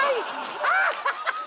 ハハハハ！